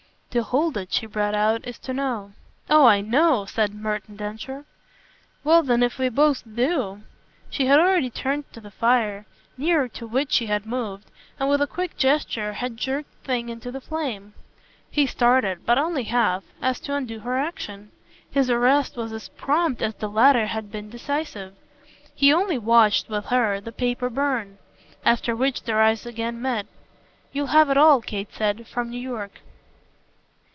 "To hold it," she brought out, "is to know." "Oh I KNOW!" said Merton Densher. "Well then if we both do !" She had already turned to the fire, nearer to which she had moved, and with a quick gesture had jerked the thing into the flame. He started but only half as to undo her action: his arrest was as prompt as the latter had been decisive. He only watched, with her, the paper burn; after which their eyes again met. "You'll have it all," Kate said, "from New York."